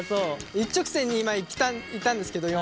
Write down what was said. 一直線に今いったんですけど４本。